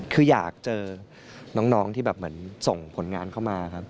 คืออยากเจอน้องที่แบบเหมือนส่งผลงานเข้ามาครับ